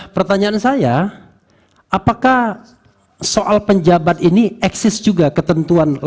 pertanyaan saya apakah soal penjabat ini eksis juga ketentuan